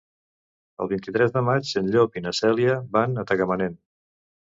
El vint-i-tres de maig en Llop i na Cèlia van a Tagamanent.